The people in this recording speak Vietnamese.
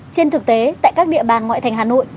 trên thực tế tại các địa bàn ngoại thành hà nội